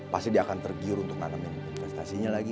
pasti dia akan tergiur untuk nanamin investasinya lagi